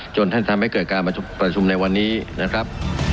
จนพันเป็นความปรัจจุในวันนี้นะครับ